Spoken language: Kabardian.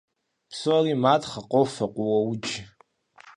Псори матхъэ, къофэ, къуоудж…